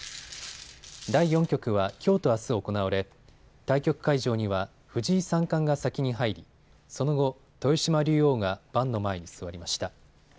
第４局はきょうとあす行われ、対局会場には藤井三冠が先に入りその後、豊島竜王が盤の前に座りました。